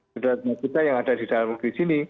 keadaan kita yang ada di dalam negeri sini